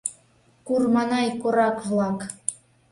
Курманай корак-влак!